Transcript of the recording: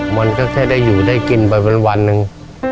มันก็แค่ได้อยู่ได้กินไปวันหนึ่ง